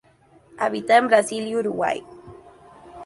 Habita en Brasil y Uruguay.